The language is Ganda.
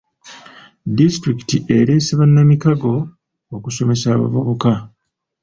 Disitulikiti ereese bannamikago okusomesa abavubuka.